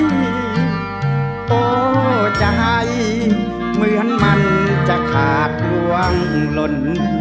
โตใจเหมือนมันจะขาดลวงลน